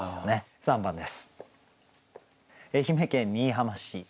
３番です。